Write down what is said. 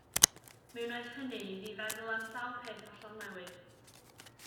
Mi wnaeth hynny iddi feddwl am sawl peth hollol newydd.